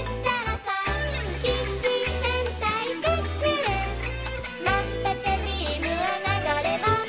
「キッチン戦隊クックルン」「まんぷくビームは流れ星」